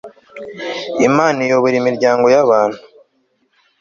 IMANA iyobora imiryango y abantu